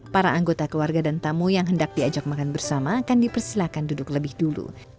para anggota keluarga dan tamu yang hendak diajak makan bersama akan dipersilakan duduk lebih dulu